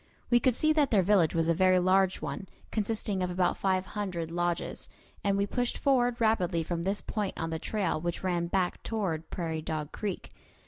We could see that their village was a very large one, consisting of about five hundred lodges; and we pushed forward rapidly from this point on the trail which ran back toward Prairie Dog Creek.